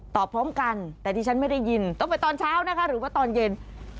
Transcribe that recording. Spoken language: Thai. พร้อมกันแต่ที่ฉันไม่ได้ยินต้องไปตอนเช้านะคะหรือว่าตอนเย็น